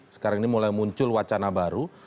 sekarang ini mulai muncul wacana baru